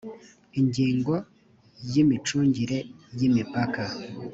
ingingo ya imicungire y imipaka